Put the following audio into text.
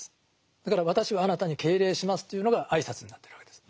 だから「私はあなたに敬礼します」というのが挨拶になってるわけです。